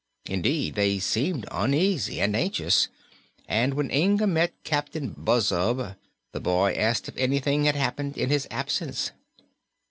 Indeed, they seemed uneasy and anxious, and when Inga met Captain Buzzub the boy asked if anything had happened in his absence.